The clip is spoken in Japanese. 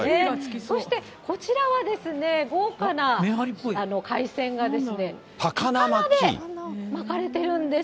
そしてこちらはですね、豪華な海鮮がですね、高菜で巻かれているんです。